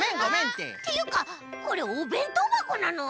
っていうかこれおべんとうばこなの？